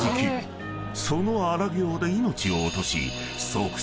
［その荒行で命を落とし］